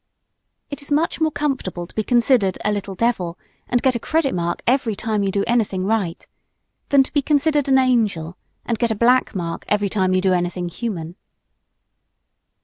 It is much more comfortable to be considered a "little devil" and get a credit mark every time you do anything right, than to be considered an "angel" and get a black mark every time you do anything human.